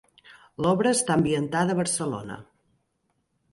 L'obra està ambientada a Barcelona.